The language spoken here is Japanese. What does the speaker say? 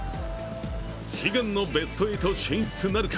悲願のベスト８進出なるか。